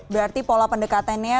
berarti pola pendekatannya